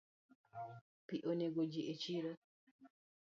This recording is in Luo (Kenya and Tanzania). Pi onego ji echiro